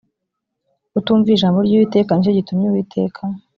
utumviye ijambo ry uwiteka ni cyo gitumye uwiteka